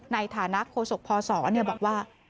ในฐานะโฆษกพศบอกว่า